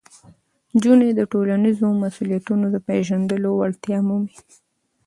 نجونې د ټولنیزو مسؤلیتونو د پېژندلو وړتیا مومي.